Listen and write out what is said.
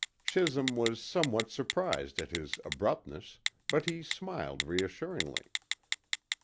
Chisholm was somewhat surprised at his abruptness, but he smiled reassuringly.